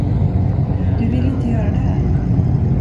Du vill inte göra det här.